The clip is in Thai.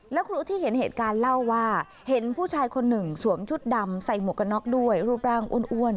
แล้วครูที่เห็นเหตุการณ์เล่าว่าเห็นผู้ชายคนหนึ่งสวมชุดดำใส่หมวกกันน็อกด้วยรูปร่างอ้วน